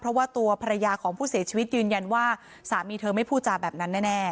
เพราะว่าตัวภรรยาของผู้เสียชีวิตยืนยันว่าสามีเธอไม่พูดจาแบบนั้นแน่